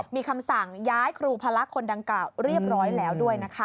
มีคำสั่งย้ายครูพละคนดังกล่าวเรียบร้อยแล้วด้วยนะคะ